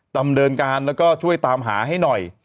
ดำเนินการแล้วก็ช่วยตามหาให้หน่อย